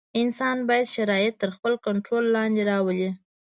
انسان باید شرایط تر خپل کنټرول لاندې راولي.